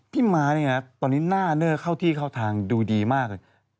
ม้าเนี่ยนะตอนนี้หน้าเนอร์เข้าที่เข้าทางดูดีมากเลย